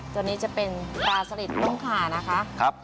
ตัวนี้จะเป็นปลาสลิดนุ่มขานะคะ